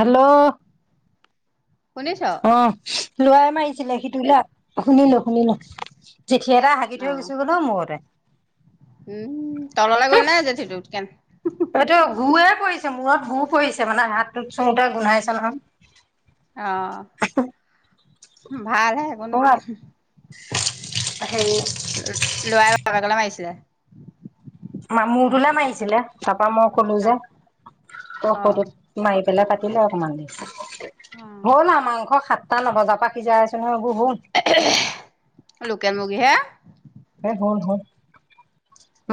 Hello, শুনিছ অহ', লৰাই মাৰিছিলে সিটোলা শুনিলো- শুনিলো। জেঠী এটা হাগি থৈ গুচি গ'ল অ', মোৰতে। ওম, তললে গল নে জেঠী টো কেন এইটো গুয়ে পৰিছে মূৰত গো পৰিছে মানে হাতটোত চোমোতে গোন্ধাইছে নহয়। অহ, ভালহে একো নহয় হেৰি লৰাই বেলেগলে মাৰিছিলে। মামূৰ্টোলে মাৰিছিলে ত কাৰণ মই কলো যে, অঁ তই অঁ কৌৰটত নাই। পেলাই কাটিলে অকণমান দেৰি। অঁ হ'ল আৰু মাংস সাতটা নবজাৰ পৰা সিজাই আছো। [unintelligible] [unintelligible] লোকেল মুৰ্গী হে। হে হল- হল।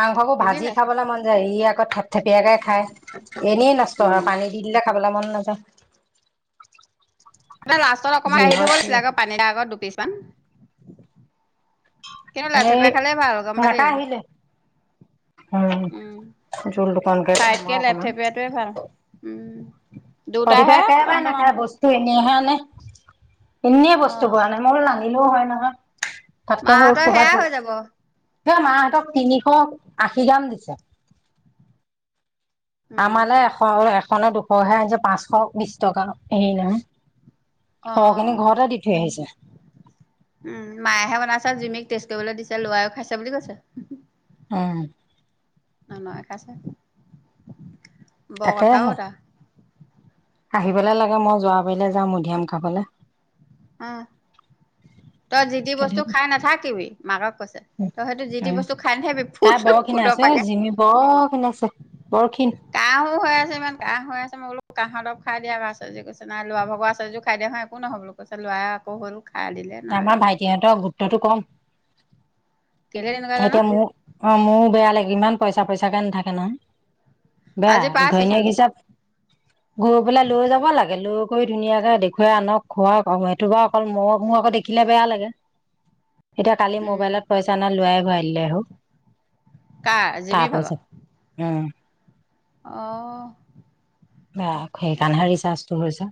মাংসবোৰ ভাজি সিজিলে চাগে, খাবলৈ মন যায় ইয়াক কত থেপথেপিয়াকে খায়। এনেই নষ্ট হয় উম পানী দি দিলে খাবলৈ মন নায [unintelligible] লাষ্টত অকণমান কাহি থব লাগিছিলে আকৌ পানী দিয়া আগত দু পিচ মান। কিন্তু, এই লেথেপিয়াই খালে ভাল গম পালি। নাকা আহিলে উম জোলটোকন ফ্ৰাইতকে [unintelligible] লেথেপিয়াটোৱে ভাল উম সদিপে দুটাহে একবাই তহঁতৰ নাখায় মানুহ বস্তু এনেহে। নে ইনে বস্তু অঁ বো আনে মোৰ বোলো শিকিলো হয় নহয়। মাহঁতৰ সেয়াই হৈ যাব। সে মাহেঁতক তিনিশ আশী গ্ৰাম দিছে। উম আমালে এশ হে এশ নে দুশহে আনিছে পাঁচশ বিশ টকা সেই নহয়। সৰখিনি অঁ ঘৰতে দি থৈ আহিছে। উম মায়হে বনাইছে জুমিক টেষ্ট কৰিবলৈ দিছে লোৱাইও খাইছে বুলি কৈছে। অ। মামই খাইছে। ব কথাও তাকেহে তা আহিবলে লাগে মই যোৱাবাৰিলে যাম মধিয়াম খাবলৈ। অ তই যিটি বস্তু খাই নাথাকিবি মাকক কৈছে তই সেইটো যিটি বস্তু খাই নাথাকিবি ফুট তাই বৰ ফুটৰ খিনাইছে অ পাকে জিমি বৰ খিনাইছে বৰ ক্ষীণ। কাহো হৈ আছে ইমান কাঁহ হৈ আছে মই বোলো কাঁহ দপ। খাই দিয়া [unintelligible] কছে নাই ল' ভগ আছে যো খাইয় দিয়া হয় একো নহয় বোলো। কৈছে লোৱাই আকৌ হ। আমা ভাইটি হেতৰ গুত্বটো কম। কেলে তেনেকুৱা জানো এতিয়া মোৰ অ মোৰো বেয়া লাভিল ইমান পইচা পইচাকে নাথাকে নহয়। আজি বেয়া পাইছেচোন ঘৈণীয়েক হিচাপ। গৈ পেলাই লৈ যাব লাগে লোক। কৈ ধুনীয়াকে দেখুৱাই আনক খোৱা এইটো বাও অকল মোক। মো আকৌ দেখিলে বেয়া লাগে। এতিয়া কালি উম, মোবাইলত পইচা না লোৱাই। হোৱাই আহিলে হ। কাৰ জিমি ভাগ। বা আচ্ছা সেইকাৰণে ৰিজাছটো হৈছে।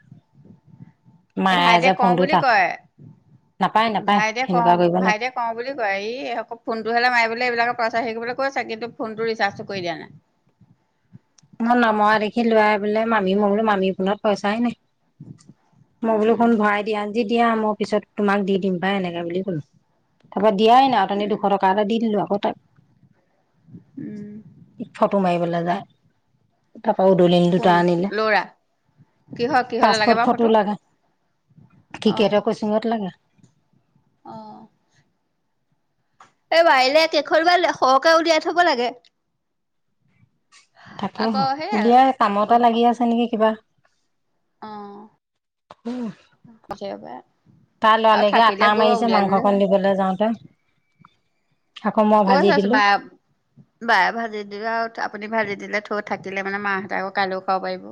এই মায়ে যে ভাইটিয়ে কওঁ ফোনটো বুলি তা কয়। নাপায় নাপায় ভাইটে কওঁ সেনেকুৱা কৰিব নাপায় ভাইটে কওঁ বুলি কয় ই ফোনটো হ'লে মাৰিবলে এইবিলাক। সেই কেবলে কৈ ছাগে তোক ফোনটো ৰিচাৰ্জ কৰি দিয়া নাই। মই নমৰা দেখি লৰাই বোলে মামি, মই বোলো মামী ফোনত পইচাই নাই। মই বোলো উম হুন ভৰাই দিয়া আজি এতিয়া মই পিছত তোমাক দি দিম পাই এনেকে বুলি ক'লো আগৰ দিয়াই নাই অথনি উম দুশ টকা এটা দি দিলো আকৌ তাক উম ফটো মাৰিবলৈ যায়। তা অৌ দলিন কোন দুটা আনিলে ল'ৰা কিহৰ কিহলে লাগে পাছপৰ্ট বাৰু ফটো লাগে। টিকেটৰ ক্ৰচিংত লাগে। অঁহ। এই পাৰিলে কেখনমান সৰহকে উলিয়াই থব লাগে। আকৌ থাকেহে সেই উলিয়াই কামতে লাগি আছে নেকি কিবা। অ অ, বিচাৰিব পাৰে। তাৰ আৰু লৰালেকে থাকিলে আটা গৈ মাৰিছে উলিয়াই ললে হ'ল মাংসকণ দিবলৈ যাওঁতে। আকৌ মই ভাজি কৈছে ছো দিলোঁ বায়ে বায়ে ভাজি দিলে আৰু আপুনি ভাজি দিলে, চৰুত থাকিলে মানে মাহঁতে আকৌ কাইলৈও খাব পাৰিব।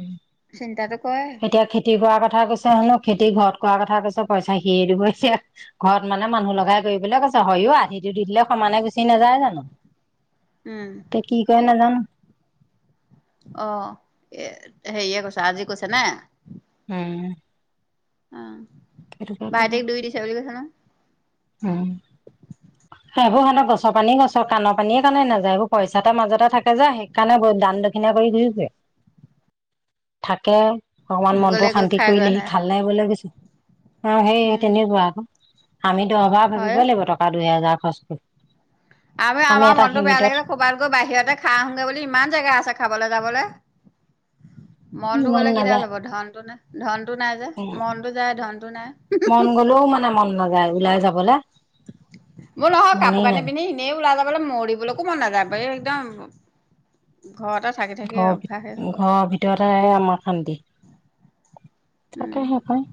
উম, চিন্তাটো কৰে এতিয়া খেতি কৰা কথা কৈছে হেনো খেতি ঘৰত কৰা কথা কৈছা পইচা সিয়ে দিব এতিয়া, ঘৰত মানে মানুহ লগাই কৰিবলৈ কৈছে, হয়ও আধিটো দি দিলে সমানে গুচি নাযায় জানো? উম কে কি কয় নাজানো। অ এ হেৰিয়ে কৈছে আজি কৈছে নে? উম। অঁহ। সেইটোকে কলে ভাইতিক দুই দিছে বুলি কৈছে নহয়। উম। সেইবোৰ সিহঁতৰ গছৰ পানি গছৰ কাণৰ পানীয়ে কানে নাযায়, সেইবোৰ পইচাতে মাজতে থাকে যে, সেইকাৰণে ব দান দক্ষিণা কৰি দি দিয়ে। থাকে অকমান নহয় গলে মনটো গৈ শান্তি খাই গৈ কৰিলে সি আহা থাল মাৰিবলৈ গৈছে। অ সেই উম তেনেুৱা আকৌ আমি অভাৱ হয় ভাবিবই লাগিব টকা দুহেজাৰ খৰচ কৰিবলে। আৰু আমাৰ মনটো বেয়া লাগিলে ক'ৰবাত গৈ বাহিৰতে খাই আহোগৈ বুলি ইমান জেগা আছে। খাবলৈ যাবলে, মনটো মন গলে কি নাযায় দাল হব ধনটো নাই, ধনটো নাই যে মনটো যায় ধনটো নাই। লে। মোৰ নহয় কাপোৰ কানি পিন্ধি এনেই ওলাই যাব বলে মৰিবলৈকো মন নাযায় এই একদম ঘৰতে থাকি থাকি ঘৰৰ ভ অভ্যাসেই হৈ গ'ল ঘৰৰ ভিতৰতে অহ আমাৰ শান্তি উম তাকেহে পায়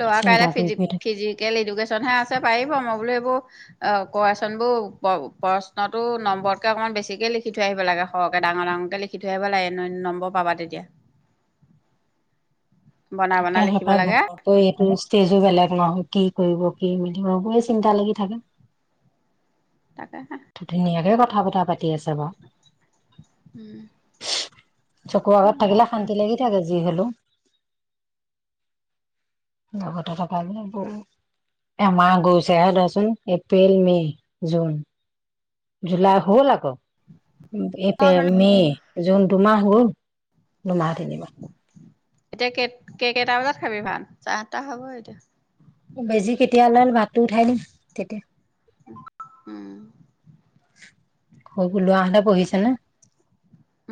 ল'ৰা কাইলে চিন্তা ফিজ কৰি কৰি থাক ফিজিকেল এডুকেশ্যনহে আছে পাৰিব মই বোলো এইবোৰ অ কোৱাচোন বোৰ প্ৰশ্নটো নম্বৰতকে অকনমান বেছিকে লিখি থৈ আহিব লাগে সৰহকে ডাঙৰ ডাঙৰকে লিখি থৈ আহিব লাগে নম্বৰ পাবা তেতিয়া বনাই সে বনাই লিখিব সেপাই লাগে ঘপককে এইটো ষ্টেজো বেলেগ নহয় কি কৰিব কি মিলিব সেবোৰে চিন্তা লাগি থাকে তাকে ধুনীয়াকে কথা বতৰা পাতি আছে বাৰু চকু আগত থাকিলে মই শান্তি লাগি থাকে যি হলেও লগতে থকা যে গোট এমাহ গৈছেহে ৰাচোন এপ্ৰিল মে জুন জুলাই হল আক এপে মে জোনটো মাহ হল দুমাহ তিনিমাহ এতিয়া ক কেই কেইটা বজাত খাবি ভাত চাই সাতটা হব এতিয়া বেজি কেতিয়া ল ভাতটো উঠাই দিম তেতিয়া উম স লোৱাহতে পঢ়িছে নে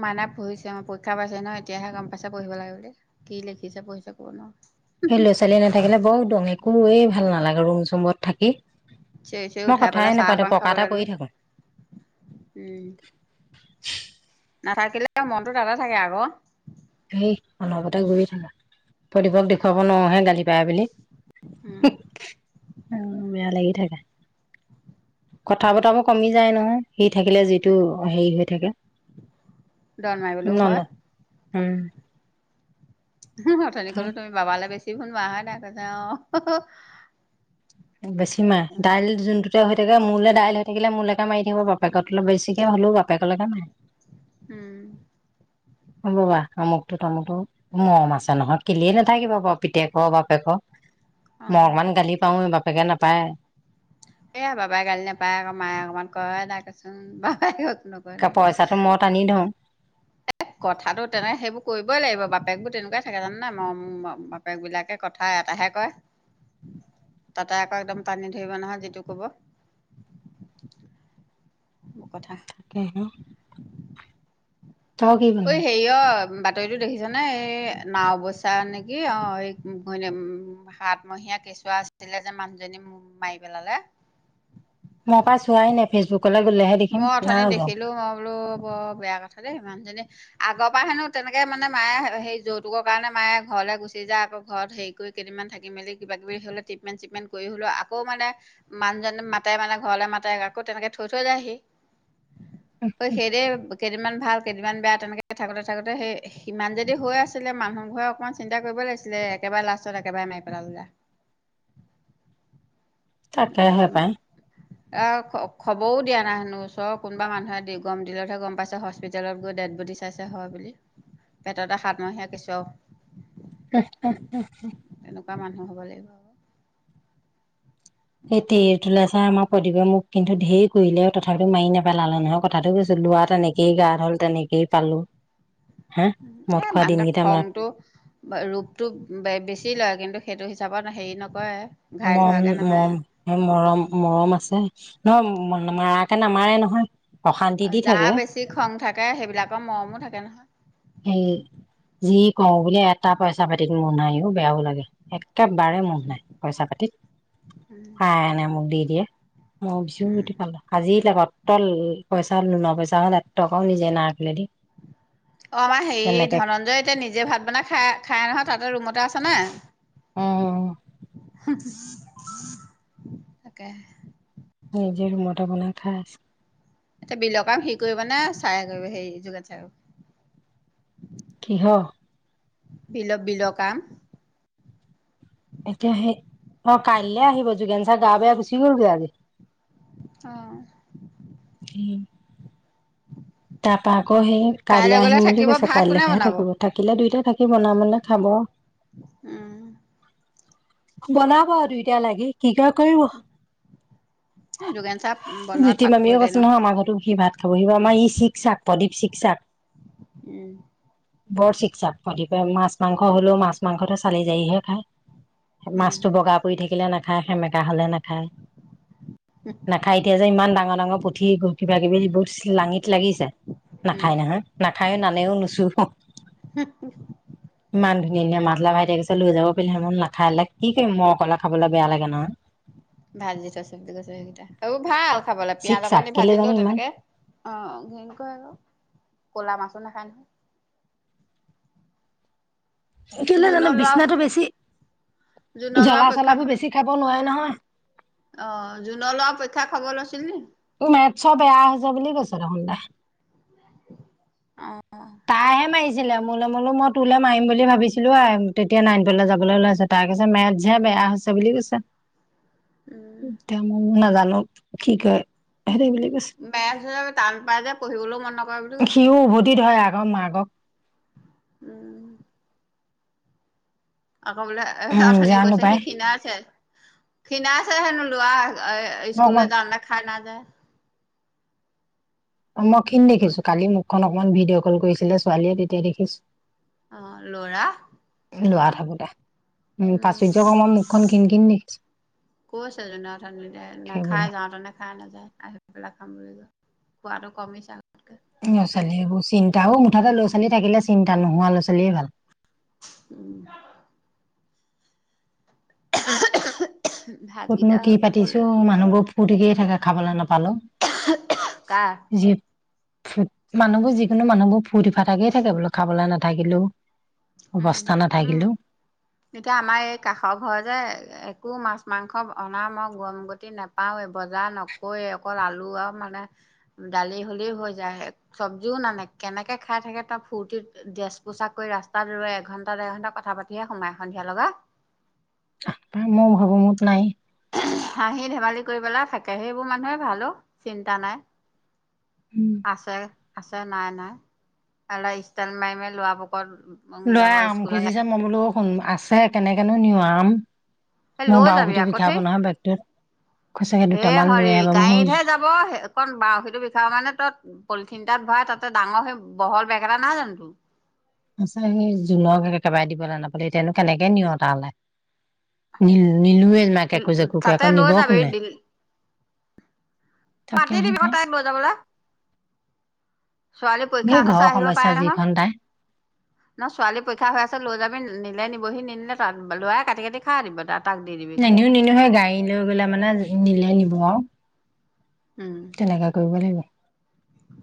মানে পঢ়িছে আমাৰ পৰীক্ষা পাইছে ন এতিয়াহে গম পাইছে পঢ়িব লাগে বুলি কি লিখিছে পঢ়িছে ক'ব নোৱাৰো সেই ল'ৰা ছোৱালী নাথাকিলে বৰু উদং একোৱেই ভাল নালাগে ৰুম চুমত থাকি চিঞৱি চিঞৰি মই উঠাই কথাই পেলাই চাহ নাপাতো অঅন খাব পকাতে পৰি দিলো থাকো উম নাথাকিলে মনটো দ থাকে আক সেই অনৱতে গৈয়ে থাকা প্ৰদীপক দেখুৱাব নোৱাৰোহে গালি পাই বুলি উম। উ বেয়া লাগি থাকা কথা বতাবোৰ কমি যায় নহয় সি থাকিলে যিটো হেৰি হৈ থাকে দল মাৰিবলৈও নল হয় উম অথনি কলো তুমি বাবালৈ বেছি ফ বাহা থাক যা অ বেছি মাহ দাইল যোনটোতে হৈ থাকে মোলে দাইল হৈ থাকিলে মোলৈকে মাৰি থাকিব বাপেকত অলপ বেছিকে হ'লেও বাপেকলৈকে মাৰে উম হ'ব বা তমুকটো তামুকটো মৰম আছে নহয় কিলিয়ে নাথাকিবা বাৰু পিতেকৰ বাপেক অ মই অকমান গালি পাও নি বাপ বাপেকে নাপায় এইয়া বাবাই গালি নোপায় আকৌ মায়ে অকমান কয় থাকে ক কচোন বাবাই ক পইচাঁটো মই টানি ধওঁ কথাটো তেনেকে সেইবোৰ কৰিবই লাগিব বাপেক বোৰ তেনেকুৱাই থাকে জান নাই ম বাপেক বিলাকে কথা এটাহে কয় তাতে আকৌ একদম টানি ধৰিব নহয় যিটো কব। মোৰ কথা থাকে ন অই, হেৰিয়- বাতৰিতো দেখিছানে এই নাও অৱস্যা নেকি অ, এই ঘৈণী উ হাতমহীয়া কেঁচুৱা আছিলে যে মানুহজনী মাৰি পেলালে মই কহ চোৱাই নাই ফেচবুক মই অথনি দেখিলো মই বোলো বৰ বেয়া কথা দেই ইমান জনে আগৰ পৰা হেনো তেনেকে মানে মায়ে সে যৌতুকৰ কাৰণে মায়ে ঘৰলৈ গুচি যায় আকৌ ঘৰত হেৰি কৰি কেইদিনমান থাকি মেলি কিবা কিবি হলে ট্ৰিটমেণ্ট চিটমেণ্ট কৰি হ'লেও আকৌ মানে মানুহজনে মাতে মানে ঘৰলে মাতে আকৌ তেনেকে থৈ থৈ যায়হি- অই সেইৰে কেইদিনমান ভাল কেইদিনমান বেয়া তেনেকে থাকোঁতে থাকোঁতে সেই ইমান যদি হৈ আছিলে মানুহ ঘৰে অকণমান চিন্তা কৰিব লাগিছিলে একেবাৰে লাষ্টত একেবাৰে মাৰি পেলালে যা তাকেহে অম পাই অখক খবৰো দিয়া নাই হেনো ওচৰৰ কোনোবা মানুহে দি গম দিলতহে গম পাইছে হস্পিটেলত গৈ ডেড বডি চাইছে হয় বুলি পেটত এটা হাতমহীয়া কেচুঁৱাও অহ অহ অহ এনেকুৱা মানুহ হ'ব লাগিব কথা সেইটটেৰি এইটোলে ছাৰ আমক কই দিবি মোক কিন্তু ঢেৰ কৰিলে তথাপিতো মাৰি নেপেলালে নহয় কথাটো কৈছো লৰা তেনেকেই গা হল তেনেকেই পালোঁ- এ মানুহটোৰ খংটো ৰূপটো বে বেছি লয় কিন্তু সেইটো হিচাপত হেৰি নকৰে- ঘাইল মম হোৱাকৈ মম নামাৰে মৰম মৰম আছে। নহয় মাৰাকে নামাৰে নহয়। অশান্তি দি থাকে যাৰ বেছি খং থাকে সেইবিলাকৰ মৰমো থাকে নহয়। সেই যি কওঁ বুলে এটা পইচা পাতিত মোহ নাইও বেয়াও লাগে একেবাৰে মোহ নাই পইচা পাতিত [unintelligible] য়েহ [unintelligible] আজিলাগাত তল পইচা ন পইচা নহ এক টকাও নিজে নাৰাখিলে দেই অ আমাৰ হেৰি ধনঞ্জয় এতিয়া নিজে ভাত বনাই খাই খাই নহয় তহঁতৰ ৰুমতে আছে। উম কোনে [inaudible] তাকেঁ। নিজে মটা বনাই খাই আছে এতিয়া বিলৰ কাম হি কৰিব নে চাই কৰিব হেৰি যোগেন ছাৰক কিহৰ বিলপ বিলকাম এতিয়া সেই অ কাইলে আহিব যোগেন ছাৰ গা বেয়া গোচি গ'লগৈ আজি অহ। তাৰপা আকৌ সেই কাইলৈ গ'লে আহিম বুলি থাকিব কৈছে। ভাত কোনে কাইলৈখাইে বনাব থাকিব থাকিলে দুইটাত। থাকি বন মানে খাব। উম। বনাব দুইটায়া লাগি কি ক কৰিব। যোগেন চাহ বনোৱাত জ্যোতি মামিও পাকৈতে কৈছে নহয় আমাৰ ঘতো সি ভাত খাব সি আমাৰ ই চিকচাক প্ৰদীপ চিকচাক উম বৰ চিকচাক প্ৰদীপ। মাছ মাংস হ'লেও মাছ মাংসটো চালি যায়হে খায়। উম মাছটো বগা পৰি থাকিলে নাখায় সেমেকে। কা হলে নাখায়। নাখাই এতিয়া যে ইমান ডাঙৰ ডাঙৰ পুঠি গ। কিবা কিবি য বহুত লাঙিত লাগিছে। উম নাখায় নহয় না। খায়ো নানেও নুচো। হু হু। ইমান ধুনীয়া মাতা লগাইছিলো যাব পাৰি হলে না। খাই লে কি কৰিম মই অকলে খাবলৈ বেয়া লাগে নহয়। ভাজি থৈ চব কৈছ সেইকেইটা আৰু ভাল খাবলৈ চিক পিঁয়াজ চাক অকণ দি কেলে জানো ভাজিলোও ইমান তেনেকে অ ঘিনকৰেক ক'লা মাছ। একো নখাই নহয়। সেইটো জানো জোনৰ ল'ৰা বিচনাটো বেছি। জোনৰ ল'ৰা জ্বলা পৰীক্ষা চলাবোৰ বেছি খাব। ক নহয়। অ জুনৰ ল পৰীক্ষা খবৰ লৈছিল নি। ত মেছ বেয়া হৈছে বুলি কৈছ দেখোন তাই। অ তাহে মাৰিছে। ছিলে মোল মোলো মই তোলৈ মাৰিম বুলি ভাবিছিলো আৰু তেতিয়া নাইনটলৈ যাবলৈ ওলাই আছ তাৰ কৈছে মেট যে বেয়া হৈছে বুলি কৈছে। উম তেওঁ মোক নাজো। অ কি কয়। হেৰি বুলি কৈছে বেয়া আছে টান পাই যে পঢ়িবলৈও মন নকৰে বুলি কৈছে। আ মাক। উম। আকৌ বোলে এ উম আথনি জানো কৈছে পাই সেইখিনা ছে। খিণ ছে হেনো লোৱা। মই অকমান স্কুললৈ যান না খাই ন। লা। অ মই খিন দেখিছো কালি মোক। অকমান অকমান ভিডিঅ' কল কৰিছিলে ছোৱালীয়ে তেতিয়া দেখিছোঁ। অহ ল'ৰা। লোৱা থাকো দে। উম দেখিছো কৈছে যে দুইটাই সেইবোৰ নাখাই যাওঁতেও খাই নাযায় আহি পেলাই খাম বুলি। খোৱাটো কমিছে। ল'ৰা ছোৱালী এইবোৰ চিন্তা অঁহ মুঠতে ল'ৰা ছোৱালী থাকিলে চিন্তা নোহোৱা ল'ৰা ছোৱালীয়ে ভাল। উম। [unintelligible] ফূৰ্তিনো ভাতকেইটা কি হ'লে পাতিছোঁ মানুহবোৰ ফূৰ্তিকে থাকে খাবলৈ কাৰ নাপালেওঁ যি। ফ মানুহবোৰ যিকোনো মানুহবোৰ ফুৰ্তি ফাৰতাকে থাকে বোলো খাবলৈ নাথাকিলেও। উম অৱস্থা উম নাথাকিলেও এতিয়া আমাৰ এই কাষৰ ঘৰ যে একো মাছ। মাংস অনা মই গম গতি নাপাওঁৱে বজাৰ নকৰেই অকল আলু আৰু মানে দালি হলে হৈ যায় চব্জিও নানে কেনেকে খাই থাকে তাৰ ফূৰ্তিত ডেছ পোছাক কৰি ৰাস্তা। এঘন্টা দেৰ ঘন্টা কথা পাতিহে সোমাই সন্ধিয়া লগা। মই ভাবো মত নাই। হাঁহি ধেমালি কৰিবলে থাকে সেইবোৰ মানুহৰে ভাল অও, চিন্তা নাই। উম আছে আছে নাই নাই। চালা স্টাইল মাৰি মাৰি লৰাঁবোক। লয় আম খুজিছে মই বোলো শুন আছে কেনেকেনো নিওঁ আম। আম। এ লৈ যাবি আকৌ ঠেই, কৈছেগে হে দুটামান লৈ হৰি আহিবা মোৰ গাড়ীতহে যাব হেকন বাওঁ সিটো বিষাব মানে তই। চিন্তাত ভৰাই তাতে ডাঙৰ সেই বহল বেগ এটা নাই জানো তোৰ। তাইছত হেই জোলৰ বেগ একেবাৰে দিবলৈ নাপালোঁ এতিয়ানো কেনেকে নিয়ো তালে নি, নিলুৱে। মাক একো তোৰ জেকু কই, তাতে আকৌ লৈ নিব যাবি কোনে? পাতি তাকেহে দিবি পাই তাই বজাবলৈ। ছোৱালী এই পৰীক্ষা আছে ঘৰৰ আহিব সমস্যা পাৰে নহয় যিখন তাই ন ছোৱালী পৰীক্ষা হৈ আছে লৈ যাবি নিবি। নিলে নিবহি নিনিলে তাত ল'ৰাই কাটি কাটি খাই দিব তাতঁ। নিও নিনোকে গাড়ী লৈ গ'লে মানে নিলে নিব। অহঁ। উম তেনেকা কৰিব লাগিব।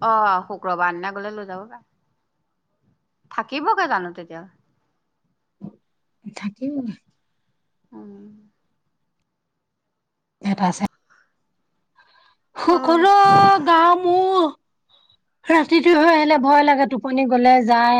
অ শুক্ৰবাৰ দিনা গলে লৈ যাব পায় থাকিবগে জানো তেতিয়া। থাকিব। উম। এটা আছে। অহ সকলোঁ গামোঁ। ৰাতিটো হৈ আহিলে ভয় লাগে টোপনি গলে যায়।